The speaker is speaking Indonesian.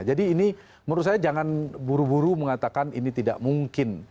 jadi ini menurut saya jangan buru buru mengatakan ini tidak mungkin